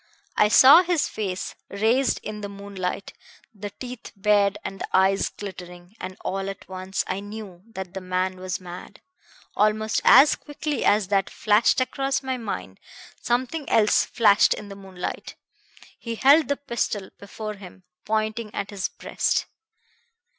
I saw his face raised in the moonlight, the teeth bared and the eyes glittering, and all at once I knew that the man was mad. Almost as quickly as that flashed across my mind, something else flashed in the moonlight. He held the pistol before him, pointing at his breast.